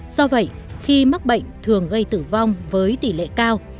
do vậy khi mắc bệnh thường gây tử vong với tỷ lệ cao